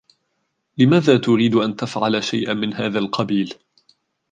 لماذا تريد أن تفعل شيئا من هذا القبيل ؟